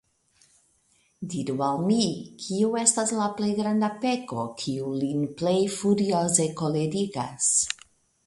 Diru al mi, kio estas la plej granda peko, kiu lin plej furioze kolerigas?